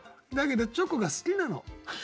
だけどチョコが好きなの。